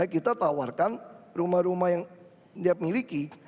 kita tawarkan rumah rumah yang dia miliki